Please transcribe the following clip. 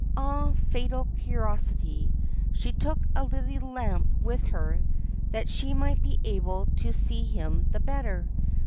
Ah, fatal curiosity ! She took a little lamp with her that she might be able to see him the better.